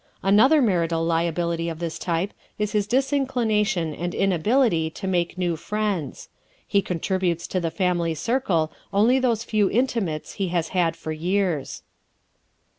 Another marital liability of this type is his disinclination and inability to make new friends. He contributes to the family circle only those few intimates he has had for years.